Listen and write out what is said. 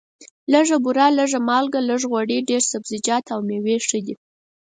لږه بوره، لږه مالګه، لږ غوړي، ډېر سبزیجات او مېوې ښه دي.